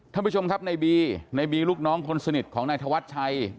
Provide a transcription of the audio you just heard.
ท่านผู้ชมครับในบีในบีลูกน้องคนสนิทของนายธวัชชัย